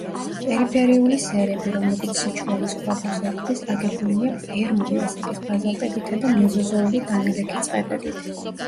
პერიფერიული სერები, რომლებიც სიჩუანის ქვაბულს ეკვრის, აგებულია პერმული ასაკის ბაზალტებითა და მეზოზოური დანალექი წყებებით.